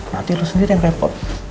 nanti lo sendiri yang repot